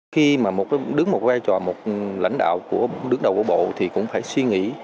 khi mà đứng một vai trò một lãnh đạo của đứng đầu của bộ thì cũng phải suy nghĩ